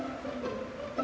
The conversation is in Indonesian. mereka lapar dan haus